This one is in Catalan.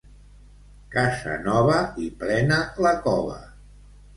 Casa nova, i plena la cova.